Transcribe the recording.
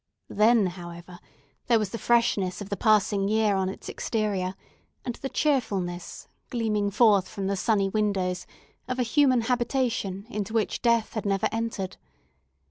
Then, however, there was the freshness of the passing year on its exterior, and the cheerfulness, gleaming forth from the sunny windows, of a human habitation, into which death had never entered.